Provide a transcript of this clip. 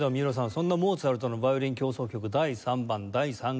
そんなモーツァルトの『ヴァイオリン協奏曲第３番』第３楽章